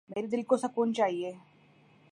میرے دل کو سکون چایئے